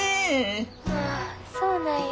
ああそうなんや。